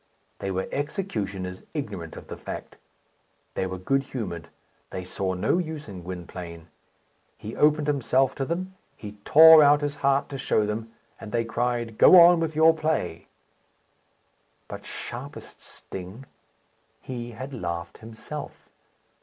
They were executioners, ignorant of the fact. They were good humoured; they saw no use in Gwynplaine. He opened himself to them. He tore out his heart to show them, and they cried, "Go on with your play!" But, sharpest sting! he had laughed himself.